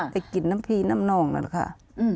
ค่ะกินน้ำพรีน้ำนองเลยค่ะ